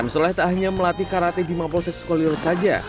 amsoleh tak hanya melatih karate di mapolsek sukolilo saja